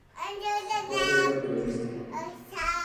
Su padre era periodista.